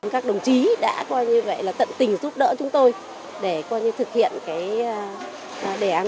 các đồng chí đã tận tình giúp đỡ chúng tôi để thực hiện đề án sáu